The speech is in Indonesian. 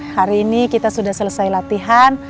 hari ini kita sudah selesai latihan